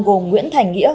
gồm nguyễn thành nghĩa